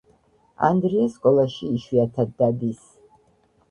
ანდრია სკოლაში იშვიათად დადის